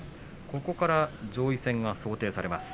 ここから上位戦が想定されます。